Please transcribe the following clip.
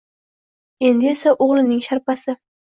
Endi esa oʻgʻlining sharpasi.